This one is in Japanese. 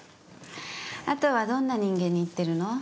あとはどんな人間に行ってるの？